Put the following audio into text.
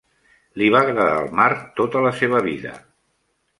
Li va agradar el mar tota la seva vida.